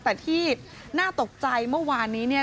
แต่ที่น่าตกใจเมื่อวานนี้เนี่ย